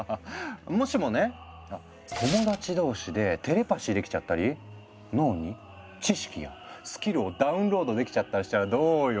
もしもね友達同士でテレパシーできちゃったり脳に知識やスキルをダウンロードできちゃったりしたらどうよ？